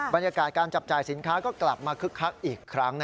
บรรยากาศการจับจ่ายสินค้าก็กลับมาคึกคักอีกครั้ง